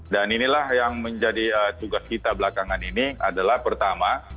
dan inilah yang menjadi tugas kita belakangan ini adalah pertama